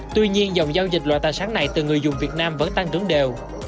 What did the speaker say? tuy nhiên dòng giao dịch loại tài sản này từ người dùng việt nam vẫn tăng trưởng đều